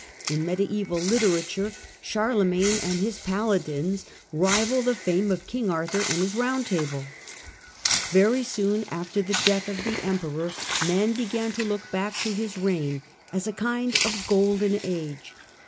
In mediaeval literature Charlemagne and his paladins rival the fame of King Arthur and his Bound Table. Very soon after the death of the Emperor, men began to look back to his reign as a kind of golden age.